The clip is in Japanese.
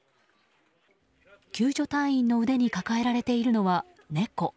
救助隊員の腕に抱えられているのは、猫。